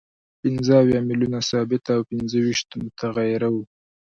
پنځه اویا میلیونه ثابته او پنځه ویشت متغیره وه